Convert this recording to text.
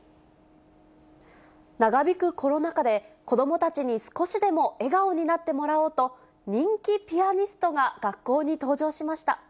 長引くコロナ禍で、子どもたちに少しでも笑顔になってもらおうと、人気ピアニストが学校に登場しました。